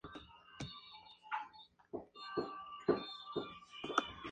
Dusty intentó convencer a The Authority para re-contratar a sus hijos.